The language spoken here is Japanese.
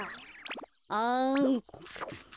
あん。